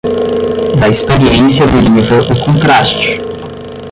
Da experiência deriva o contraste